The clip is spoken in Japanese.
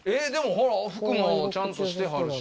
服もちゃんとしてはるし。